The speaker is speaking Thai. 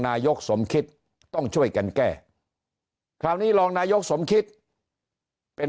นายกสมคิตต้องช่วยกันแก้คราวนี้รองนายกสมคิตเป็น